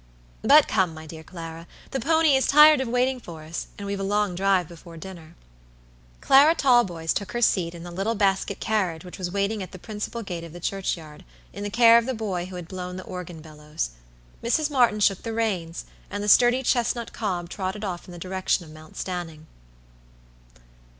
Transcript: But come, my dear Clara, the pony is tired of waiting for us, and we've a long drive before dinner." Clara Talboys took her seat in the little basket carriage which was waiting at the principal gate of the churchyard, in the care of the boy who had blown the organ bellows. Mrs. Martyn shook the reins, and the sturdy chestnut cob trotted off in the direction of Mount Stanning.